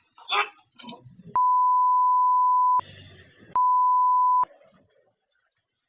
สวัสดีครับ